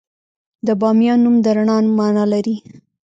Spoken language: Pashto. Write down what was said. د بامیان نوم د رڼا مانا لري